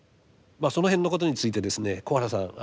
その辺のことについてですね小原さん